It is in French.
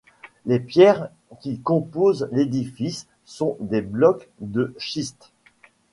Les pierres qui composent l'édifice sont des blocs de schiste.